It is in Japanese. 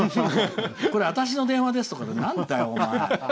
これ、私の電話ですって何だよお前。